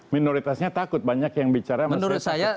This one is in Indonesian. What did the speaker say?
minoritasnya takut banyak yang bicara